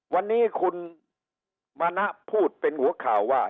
วันนี้คุณมณะพูดเป็นหัวข่าวว่า